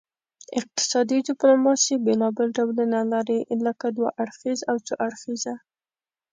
اقتصادي ډیپلوماسي بیلابیل ډولونه لري لکه دوه اړخیزه او څو اړخیزه